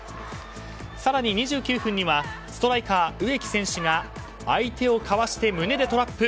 更に２９分にはストライカー、植木選手が相手をかわして胸でトラップ。